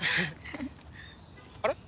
あれ？